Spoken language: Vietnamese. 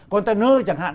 còn tên hơi chẳng hạn